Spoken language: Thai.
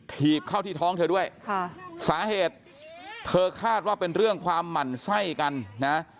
ถีบเข้าที่ท้องเธอด้วยค่ะสาเหตุเธอคาดว่าเป็นเรื่องความหมั่นไส้กันนะ